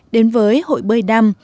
đến với hội bơi đăm